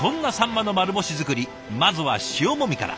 まずは塩もみから。